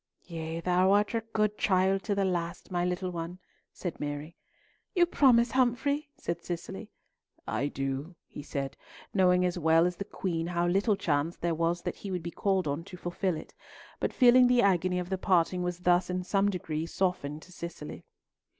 "Yea, thou art a good child to the last, my little one," said Mary. "You promise, Humfrey?" said Cicely. "I do," he said, knowing as well as the Queen how little chance there was that he would be called on to fulfil it, but feeling that the agony of the parting was thus in some degree softened to Cicely.